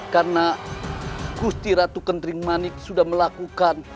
karena gusti ratu gendrimanik sudah melakukan